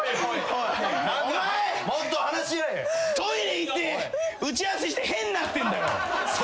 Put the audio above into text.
トイレ行って打ち合わせして変になってんだよ。